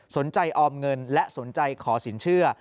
ออมเงินและสนใจขอสินเชื่อ